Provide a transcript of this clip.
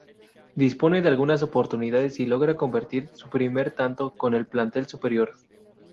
Dispone de algunas oportunidades y logra convertir su primer tanto con el plantel superior.